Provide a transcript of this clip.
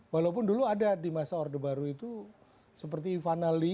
walaupun dulu ada di masa orde baru itu seperti fanal lee